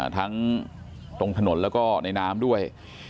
ทั้งตรงถนนแล้วก็ในน้ำด้วย